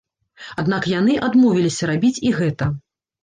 Аднак яны адмовіліся рабіць і гэта.